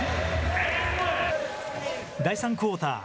第３クオーター。